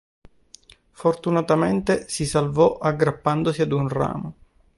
Fortunatamente si salvò aggrappandosi ad un ramo.